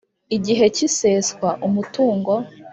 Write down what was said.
Igihe cy iseswa umutungo